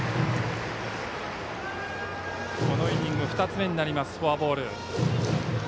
このイニング、２つ目になりますフォアボール。